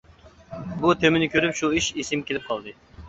بۇ تېمىنى كۆرۈپ شۇ ئىش ئېسىمگە كېلىپ قالدى.